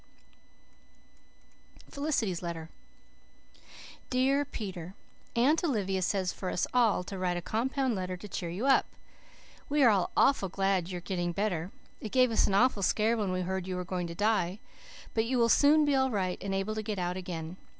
C. K." FELICITY'S LETTER "DEAR PETER: Aunt Olivia says for us all to write a compound letter to cheer you up. We are all awful glad you are getting better. It gave us an awful scare when we heard you were going to die. But you will soon be all right and able to get out again.